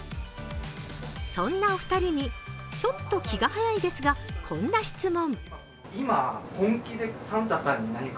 そんなお二人にちょっと気が早いですが、こんな質問。